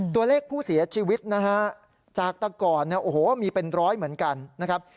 ตัวเลขผู้เสียชีวิตจากตะกรมีเป็นร้อยเหมือนกันนะครับ